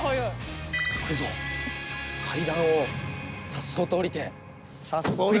階段をさっそうと下りて。